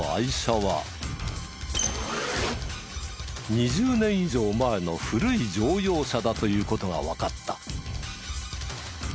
２０年以上前の古い乗用車だという事がわかった。